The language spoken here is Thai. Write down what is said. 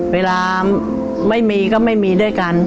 เวลาไม่มีก็ไม่มีด้วยกัน